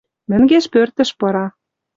Мӹнгеш пӧртӹш пыра.